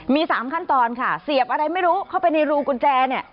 มี๓ขั้นตอนค่ะเสียบอะไรไม่รู้เข้าไปในรูกุญแจเนี่ย